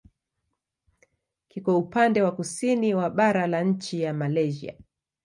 Kiko upande wa kusini wa bara la nchi ya Malaysia.